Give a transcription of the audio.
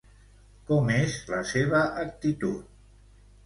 Com és la seva actitud?